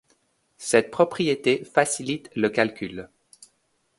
Cette propriété facilite le calcul.